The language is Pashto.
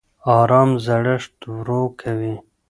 ارام زړښت ورو کوي